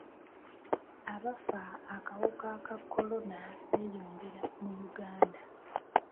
Abafa akawuka ka kolona beeyongera mu Uganda.